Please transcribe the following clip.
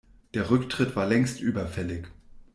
Der Rücktritt war längst überfällig.